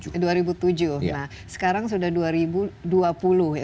nah sekarang sudah dua ribu dua puluh ya